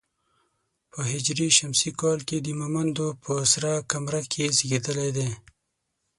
په هـ ش کال د مومندو په سره کمره کې زېږېدلی دی.